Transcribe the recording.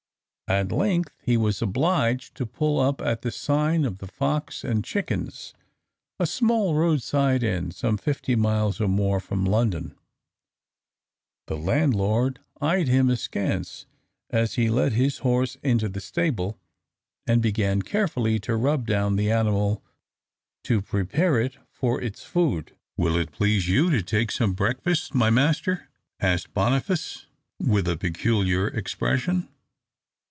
At length he was obliged to pull up at the sign of the Fox and Chickens, a small roadside inn some fifty miles or more from London. The landlord eyed him askance as he led his horse into the stable, and began carefully to rub down the animal, to prepare it for its food. "Will it please you to take some breakfast, my master?" asked Boniface, with a peculiar expression.